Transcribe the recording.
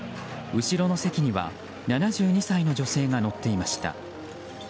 後ろの席には７２歳の女性が乗っていました。